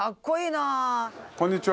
こんにちは。